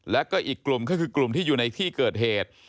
แล้วก็อีกกลุ่มก็คือกลุ่มที่อยู่ในที่เกิดเหตุ